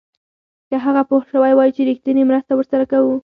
که هغه پوه شوی وای چې رښتینې مرسته ورسره کوو.